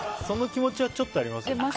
その気持ちはちょっとありますよ。